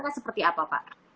itu kan seperti apa pak